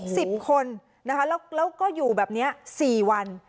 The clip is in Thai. สิบคนนะคะแล้วแล้วก็อยู่แบบเนี้ยสี่วัน